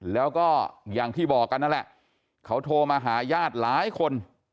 แล้วก็อย่างที่บอกกันนั่นแหละเขาโทรมาหาญาติหลายคน